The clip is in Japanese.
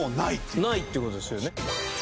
ないって事ですよね。